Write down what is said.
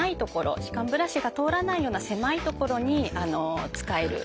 歯間ブラシが通らないような狭い所に使える。